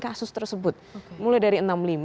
kasus tersebut mulai dari